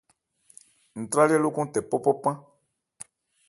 Ntrályɛ́ lókɔn tɛ ńpɔ́-npɔ́ pán.